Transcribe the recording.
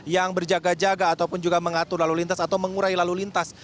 yang berjaga jaga ataupun juga mengatur lalu lintas atau mengurai lalu lintas